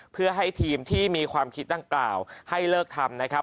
เพื่อให้ทีมที่มีความคิดดังกล่าวให้เลิกทำนะครับ